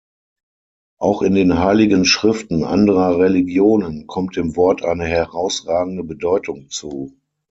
Auch in den heiligen Schriften anderer Religionen kommt dem Wort eine herausragende Bedeutung zu.